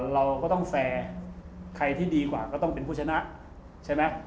เราก็ต้องแฟร์ใครที่ดีกว่าก็ต้องเป็นผู้ชนะใช่ไหม